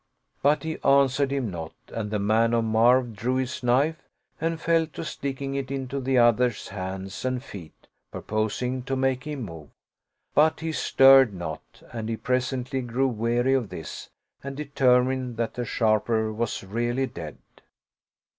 But he answered him not, and the man of Marw drew his knife and fell to sticking it into the other's hands and feet, purposing to make him move ; but lie stirred not and he presently grew weary of this and determined that the sharper was really dead.